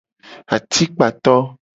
Atikpato.